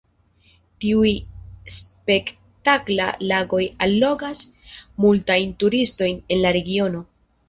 Tiuj spektakla lagoj allogas multajn turistojn en la regiono.